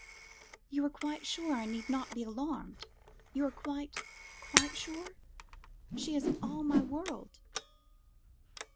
"You are sure I need not be alarmed? You are quite, quite sure? She is all my world."